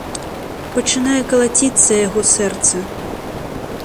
Пачынае калаціцца яго сэрца.